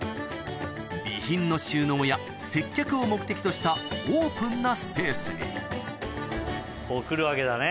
備品の収納や接客を目的としたオープンなスペースにこう来るわけだね